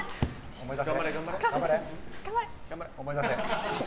思い出せ！